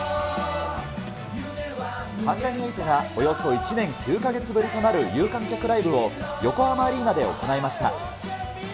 関ジャニ∞がおよそ１年９か月ぶりとなる有観客ライブを、横浜アリーナで行いました。